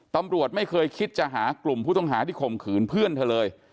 ตำรวจไม่เคยคิดจะหากลุ่มผู้ต้องหาที่ข่มขืนเพื่อนเธอเลย